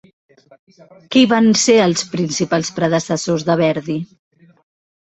Qui van ser els principals predecessors de Verdi?